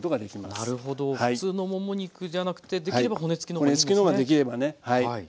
なるほど普通のもも肉じゃなくてできれば骨付きの方がいいんですね。